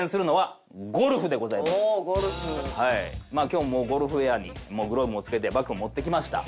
今日ゴルフウェアにグローブもつけてバッグも持ってきました。